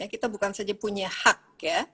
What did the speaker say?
kita bukan saja punya hak ya